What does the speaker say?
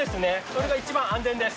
それが一番安全です。